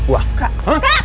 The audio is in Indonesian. bro angga kayaknya marah nih